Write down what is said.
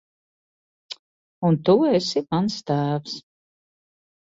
Un tu esi mans tēvs.